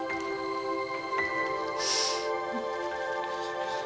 apa pernah juga apa yang aku kasih